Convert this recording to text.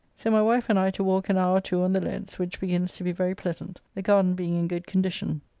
So my wife and I to walk an hour or two on the leads, which begins to be very pleasant, the garden being in good condition.